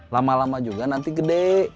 lama lama juga nanti gede